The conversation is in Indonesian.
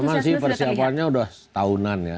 jadi persiapannya sudah setahunan ya